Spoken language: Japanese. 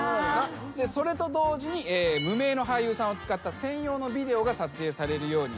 それと同時に無名の俳優さんを使った専用のビデオが撮影されるようになりました。